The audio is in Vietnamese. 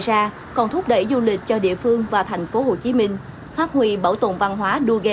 ra còn thúc đẩy du lịch cho địa phương và thành phố hồ chí minh phát huy bảo tồn văn hóa đua ghe